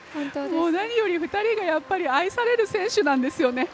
何より２人が愛される選手なんですよね。